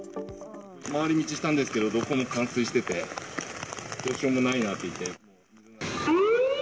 回り道したんですけど、どこも冠水してて、どうしようもないなと。